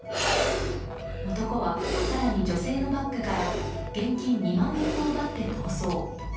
男は更に女性のバッグから現金２万円も奪って逃走。